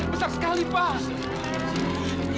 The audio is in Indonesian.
besar sekali pak